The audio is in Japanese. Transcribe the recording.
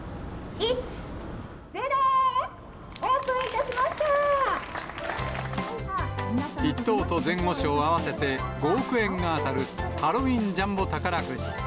１等と前後賞合わせて５億円が当たる、ハロウィンジャンボ宝くじ。